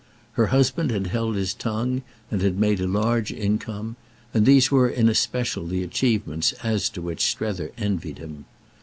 Her husband had held his tongue and had made a large income; and these were in especial the achievements as to which Strether envied him.